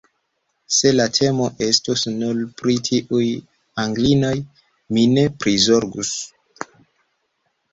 Se la temo estus nur pri tiuj Anglinoj, mi ne prizorgus.